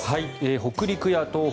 北陸や東北